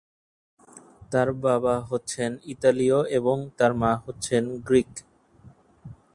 তার বাবা হচ্ছেন ইতালীয় এবং তার মা হচ্ছেন গ্রিক।